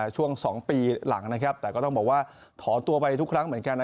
ช่วง๒ปีหลังแต่ก็ต้องบอกว่าถอนตัวไปทุกครั้งเหมือนกัน